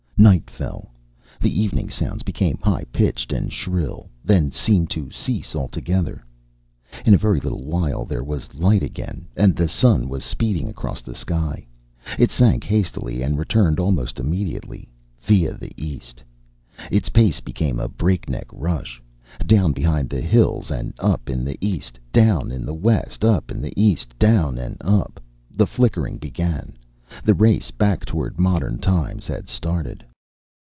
Night fell. The evening sounds became high pitched and shrill, then seemed to cease altogether. In a very little while there was light again, and the sun was speeding across the sky. It sank hastily, and returned almost immediately, via the east. Its pace became a breakneck rush. Down behind the hills and up in the east. Down in the west, up in the east. Down and up The flickering began. The race back toward modern times had started.